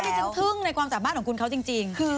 ก็ได้จึงทึ่งในความสะอาดบ้านของคุณเขาจริง